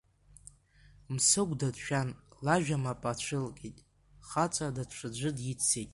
Мсыгәда дшәан лажәа мап ацәылкит, хаҵа даҽаӡәы диццеит.